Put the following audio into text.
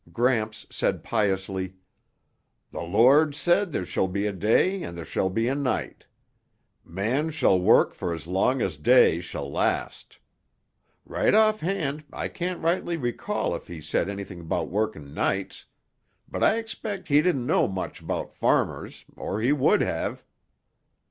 Gramps said piously, "The Lord said there shall be a day and there shall be a night. Man shall work for as long as day shall last. Right offhand, I can't rightly recall if He said anything 'bout working nights, but I expect He didn't know much about farmers or He would have.